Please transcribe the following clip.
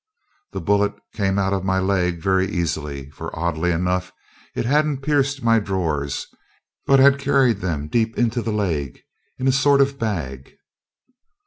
The bullet came out of my leg very easily, for, oddly enough, it hadn't pierced my drawers, but had carried them deep into the leg in a sort of bag.